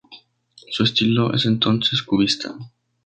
Su estilo es entonces cubista.